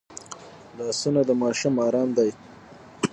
لاسونه د ماشوم ارام ځای دی